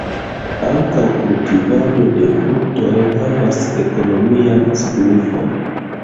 Ankaŭ kultivado de fruktoj havas ekonomian signifon.